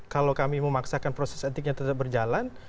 kalau kami memaksakan proses etiknya tetap berjalan